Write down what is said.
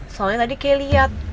soalnya tadi kayak lihat